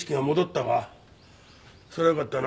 それはよかったな。